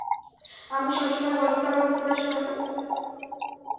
আম্মু সবসময় গল্পটা আমাকে পড়ে শোনাতো!